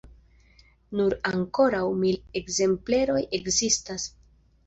Nun ankoraŭ mil ekzempleroj ekzistas.